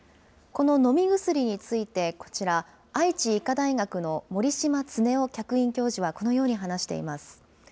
この飲み薬についてこちら、愛知医科大学の森島恒雄客員教授はこのように話しています。